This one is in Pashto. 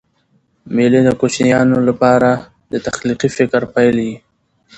مېلې د کوچنیانو له پاره د تخلیقي فکر پیل يي.